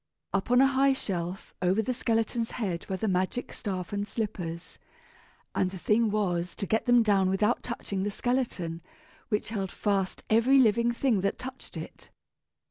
Up on a high shelf over the skeleton's head were the magic staff and slippers, and the thing was to get them down without touching the skeleton, which held fast every living thing that touched it.